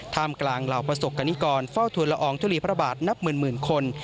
มกลางเหล่าประสบกรณิกรเฝ้าทุลอองทุลีพระบาทนับหมื่นคน